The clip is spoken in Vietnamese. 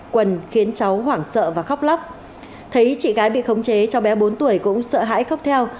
quần khiến cháu hoảng sợ và khóc lóc thấy chị gái bị khống chế cháu bé bốn tuổi cũng sợ hãi khớp theo